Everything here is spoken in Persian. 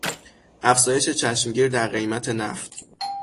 افزایش چشمگیر در قیمت نفت